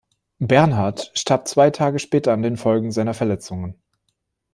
Bernhard starb zwei Tage später an den Folgen seiner Verletzungen.